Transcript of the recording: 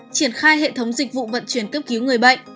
triển khai hệ thống dịch vụ vận chuyển cấp cứu người bệnh